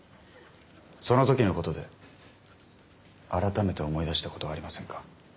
その時のことで改めて思い出したことはありませんか？